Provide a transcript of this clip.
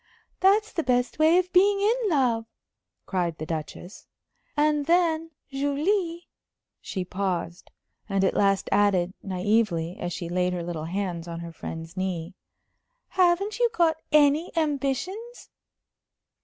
"That's the best way of being in love," cried the Duchess. "And then, Julie" she paused, and at last added, naïvely, as she laid her little hands on her friend's knee "haven't you got any ambitions?"